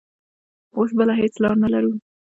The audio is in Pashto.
اوس بله هېڅ لار نه لرو.